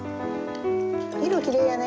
色きれいやね。